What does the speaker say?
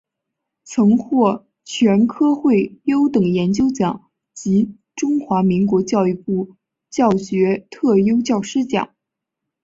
曾获国科会优等研究奖及中华民国教育部教学特优教师奖。